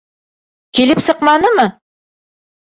Килеп сыҡманымы?